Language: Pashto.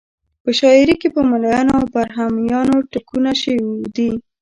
په شاعري کې په ملایانو او برهمنانو ټکونه شوي دي.